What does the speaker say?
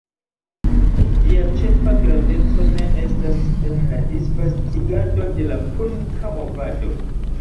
Ĝia ĉefa graveco ne estas en la disvastigado de la punka movado.